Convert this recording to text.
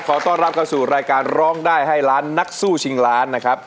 ขอต้อนรับเข้าสู่รายการร้องได้ให้ล้านนักสู้ชิงล้านนะครับ